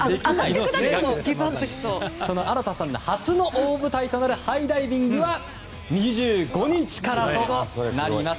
その荒田さんの初の舞台となるハイダイビングは２５日からとなります。